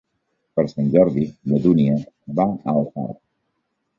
Per Sant Jordi na Dúnia va a Alfarb.